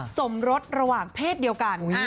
สมรสระหว่างเพศเดียวกัน